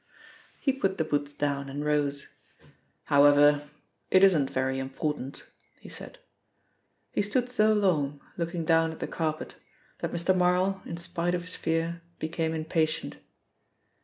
He put the boots down and rose. "However, it isn't very important," he said. He stood so long, looking down at the carpet, that Mr. Marl, in spite of his fear, became impatient.